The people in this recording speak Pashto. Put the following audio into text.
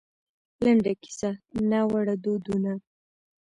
لـنـډه کيـسـه :نـاوړه دودونـه